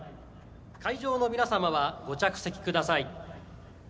会場の皆様は、ご着席ください。